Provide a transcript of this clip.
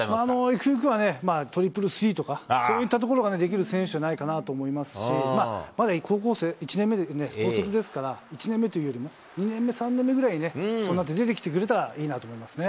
ゆくゆくは、トリプルスリーとか、そういったところができる選手じゃないかなと思いますし、まだ高校生、１年目で、高卒ですから、１年目というよりね、２年目、３年目ぐらいに、そうなって出てきてくれたらいいなと思いますね。